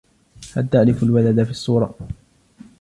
هل تعرف الولد في الصورة؟